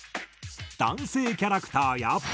男性キャラクターや。